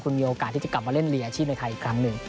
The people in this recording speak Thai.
คุณมีโอกาสที่จะกลับมาเล่นลีอาชีพในไทยอีกครั้งหนึ่ง